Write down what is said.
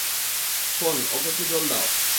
Phone-- -okay একটু জল দাও!